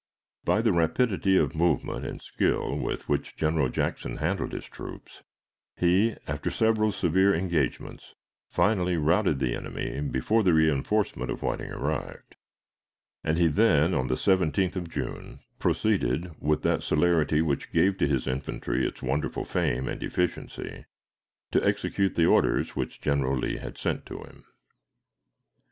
By the rapidity of movement and skill with which General Jackson handled his troops, he, after several severe engagements, finally routed the enemy before the reënforcement of Whiting arrived; and he then, on the 17th of June, proceeded, with that celerity which gave to his infantry its wonderful fame and efficiency, to execute the orders which General Lee had sent to him.